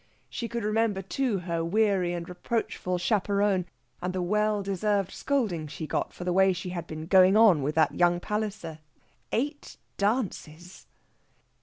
She could remember, too, her weary and reproachful chaperon, and the well deserved scolding she got for the way she had been going on with that young Palliser. Eight dances!